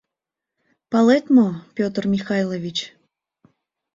— Палет мо, Петр Михайлович?